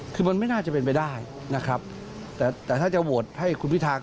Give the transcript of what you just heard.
คือมันไม่น่าจะเป็นไปได้แต่ถ้าจะโหวตให้คุณวิทา